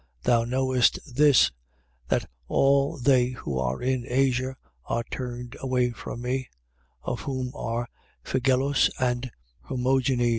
1:15. Thou knowest this, that all they who are in Asia are turned away from me: of whom are Phigellus and Hermogenes.